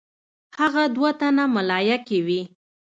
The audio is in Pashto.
هغه دوه تنه ملایکې وې.